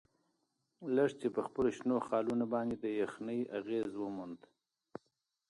لښتې په خپلو شنو خالونو باندې د یخنۍ اغیز وموند.